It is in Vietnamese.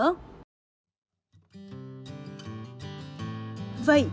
thứ bảy nước